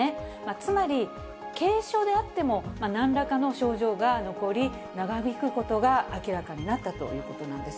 つまり、軽症であっても、なんらかの症状が残り、長引くことが明らかになったということなんです。